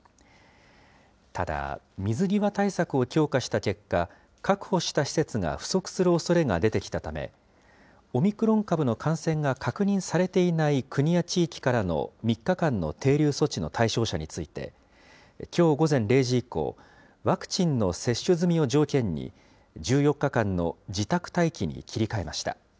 ただ水際対策を強化した結果、確保した施設が不足するおそれが出てきたため、オミクロン株の感染が確認されていない国や地域からの３日間の停留措置の対象者について、きょう午前０時以降、ワクチンの接種済みを条件に、１４日間の自宅待機に切り替えました。